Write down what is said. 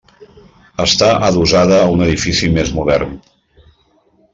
Està adossada a un edifici més modern.